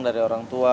dari orang tua